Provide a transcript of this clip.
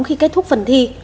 khi kết thúc phần thi